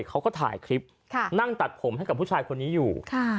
เขาก็ถ่ายคลิปนั่งตัดผมให้กับผู้ชายคนนี้อยู่